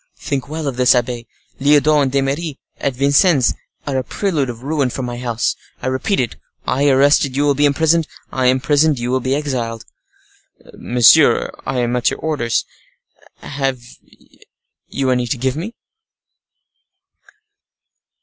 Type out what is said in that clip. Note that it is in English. "Think well of this, abbe, Lyodot and D'Eymeris at Vincennes are a prelude of ruin for my house. I repeat it—I arrested, you will be imprisoned—I imprisoned, you will be exiled." "Monsieur, I am at your orders; have you any to give me?"